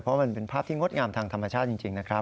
เพราะมันเป็นภาพที่งดงามทางธรรมชาติจริงนะครับ